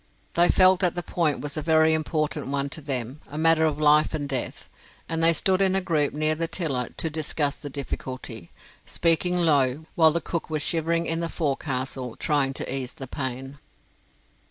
They felt that the point was a very important one to them a matter of life and death and they stood in a group near the tiller to discuss the difficulty, speaking low, while the cook was shivering in the forecastle, trying to ease the pain.